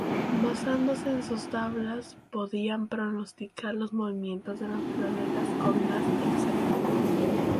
Basándose en sus tablas, podían pronosticar los movimientos de los planetas con más exactitud.